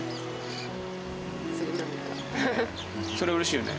それはうれしいよね